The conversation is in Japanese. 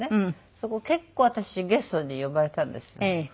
そこ結構私ゲストで呼ばれたんですよ。